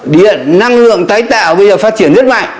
điện năng lượng tái tạo bây giờ phát triển rất mạnh